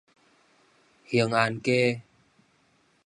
興安街